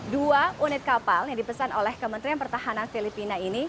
dua unit kapal yang dipesan oleh kementerian pertahanan filipina ini